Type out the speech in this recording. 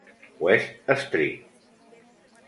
West St.